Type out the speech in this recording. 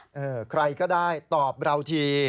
เออใครก็ได้ตอบเราที